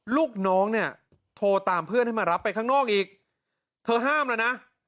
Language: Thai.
ลูกน้องเนี่ยโทรตามเพื่อนให้มารับไปข้างนอกอีกเธอห้ามแล้วนะ